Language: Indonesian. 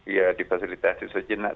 ya difasilitasi sejenak